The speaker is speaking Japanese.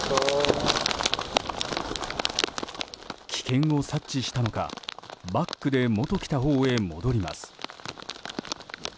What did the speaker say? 危険を察知したのかバックで元来たほうへ戻ります。